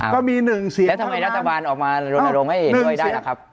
ก็มี๑เสียงแล้วทำไมรัฐบาลออกมาโดนตรงให้ด้วยได้ล่ะครับ